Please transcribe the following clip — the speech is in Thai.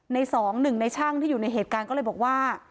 สองหนึ่งในช่างที่อยู่ในเหตุการณ์ก็เลยบอกว่า